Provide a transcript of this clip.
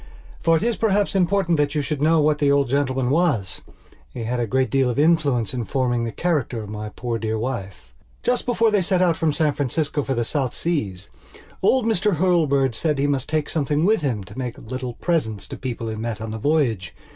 For it is perhaps important that you should know what the old gentleman was; he had a great deal of influence in forming the character of my poor dear wife. Just before they set out from San Francisco for the South Seas old Mr Hurlbird said he must take something with him to make little presents to people he met on the voyage.